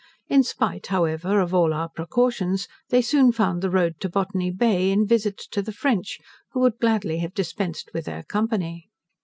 In spite, however, of all our precautions, they soon found the road to Botany Bay, in visits to the French, who would gladly have dispensed with their company.